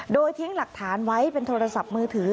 โดยทิ้งหลักฐานไว้เป็นโทรศัพท์มือถือ